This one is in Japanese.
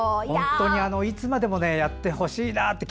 本当にいつまでもやってほしいなって。